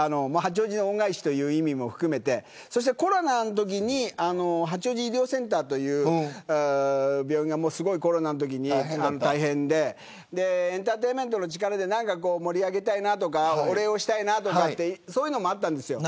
恩返しという意味も含めてコロナのときに八王子医療センターという病院が大変でエンターテインメントの力で盛り上げたいとかお礼をしたいとかそういうのもあったんです。